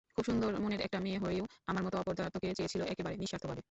খুব সুন্দর মনের একটা মেয়ে হয়েও আমার মতো অপদার্থকে চেয়েছিল একেবারে, নিঃস্বার্থভাবে।